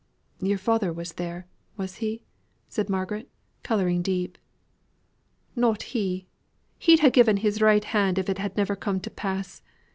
"Your father was not there, was he?" said Margaret colouring deeply. "Not he. He'd ya' given his right hand if it had never come to pass.